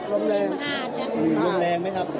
หรือลมแรงไหมครับ